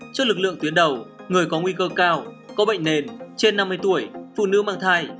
cho lực lượng tuyến đầu người có nguy cơ cao có bệnh nền trên năm mươi tuổi phụ nữ mang thai